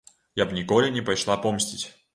Я б ніколі не пайшла помсціць.